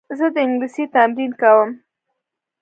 زه د انګلیسي تمرین کوم.